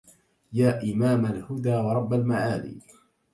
يا إمام الهدى ورب المعالي